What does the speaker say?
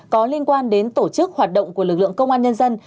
có liên quan đến tổ chức hoạt động của lực lượng công an nhân dân